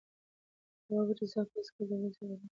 هغه وویل چې زه به هیڅکله دا ورځ هېره نه کړم.